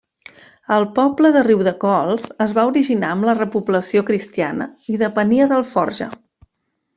El poble de Riudecols es va originar amb la repoblació cristiana i depenia d'Alforja.